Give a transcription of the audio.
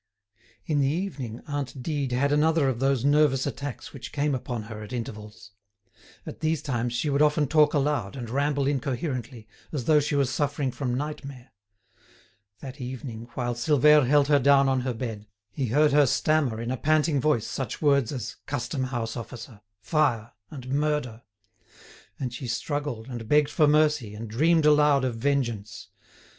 In the evening, aunt Dide had another of those nervous attacks which came upon her at intervals. At these times she would often talk aloud and ramble incoherently, as though she was suffering from nightmare. That evening, while Silvère held her down on her bed, he heard her stammer in a panting voice such words as "custom house officer," "fire," and "murder." And she struggled, and begged for mercy, and dreamed aloud of vengeance.